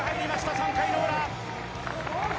３回の裏。